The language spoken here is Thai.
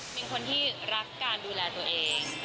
เป็นคนที่รักการดูแลตัวเอง